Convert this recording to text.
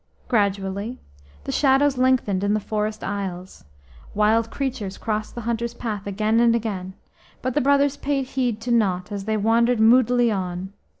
Gradually the shadows lengthened in the forest aisles; wild creatures crossed the hunters' path again and again, but the brothers paid heed to naught as they wandered moodily on.